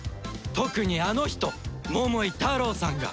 特にあの人桃井タロウさんが